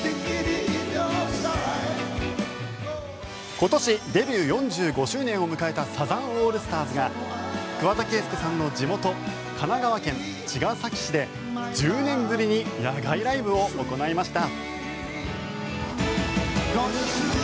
今年デビュー４５周年を迎えたサザンオールスターズが桑田佳祐さんの地元神奈川県茅ヶ崎市で１０年ぶりに野外ライブを行いました。